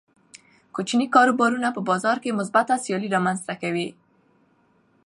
کوچني کاروبارونه په بازار کې مثبته سیالي رامنځته کوي.